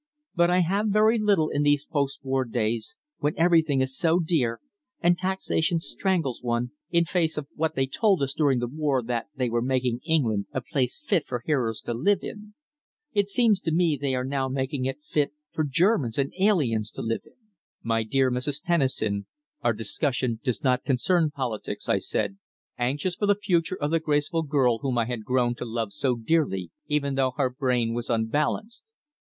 But I have very little in these post war days, when everything is so dear, and taxation strangles one, in face of what they told us during the war that they were making England a place fit for heroes to live in! It seems to me that they are now making it fit for Germans and aliens to live in." "My dear Mrs. Tennison, our discussion does not concern politics," I said, anxious for the future of the graceful girl whom I had grown to love so dearly, even though her brain was unbalanced.